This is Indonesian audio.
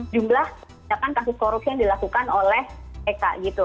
jumlah kasus korupsi yang dilakukan oleh ek